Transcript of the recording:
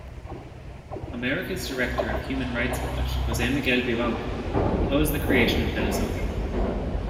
Americas director of Human Rights Watch, Jose Miguel Vivanco, opposed the creation of Telesur.